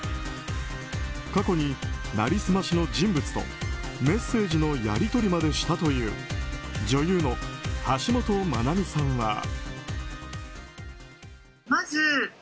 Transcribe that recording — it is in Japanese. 過去に成り済ましの人物とメッセージのやり取りまでしたという女優の橋本マナミさんは。